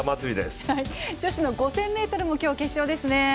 女子の５０００ｍも今日、決勝ですね。